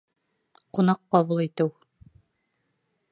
Ҡунаҡ ҡабул итеү